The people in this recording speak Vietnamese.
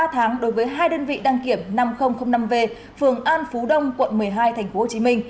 ba tháng đối với hai đơn vị đăng kiểm năm nghìn năm v phường an phú đông quận một mươi hai tp hcm